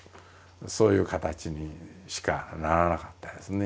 そういう形にしかならなかったですね。